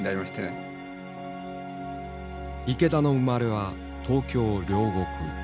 池田の生まれは東京・両国。